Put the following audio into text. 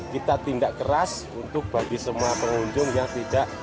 kita tindak keras untuk bagi semua pengunjung yang tidak